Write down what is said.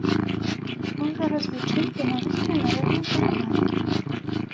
Мы ўжо развучылі беларускія народныя калыханкі.